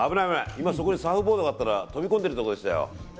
今そこにサーフボードがあったら飛び込んでるところでしたよ